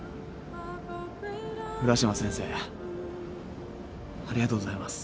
浦島先生ありがとうございます